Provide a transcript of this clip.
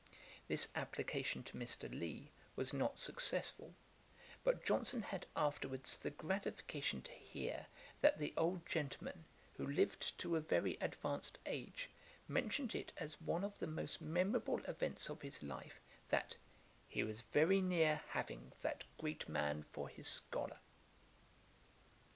This application to Mr. Lea was not successful; but Johnson had afterwards the gratification to hear that the old gentleman, who lived to a very advanced age, mentioned it as one of the most memorable events of his life, that 'he was very near having that great man for his scholar.'